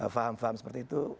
faham faham seperti itu